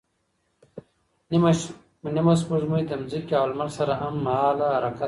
نیمه سپوږمۍ د ځمکې او لمر سره هممهاله حرکت کوي.